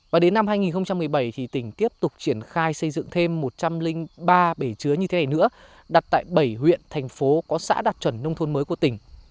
và đến năm hai nghìn một mươi bảy thì tỉnh tiếp tục triển khai xây dựng thêm một trăm linh ba bể chứa như thế này nữa đặt tại bảy huyện thành phố có xã đạt chuẩn nông thôn mới của tỉnh